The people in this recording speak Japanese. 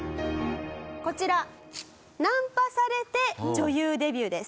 こちらナンパされて女優デビューです。